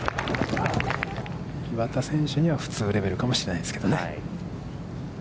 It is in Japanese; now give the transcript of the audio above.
岩田選手には普通レベルかもしれないですけどね。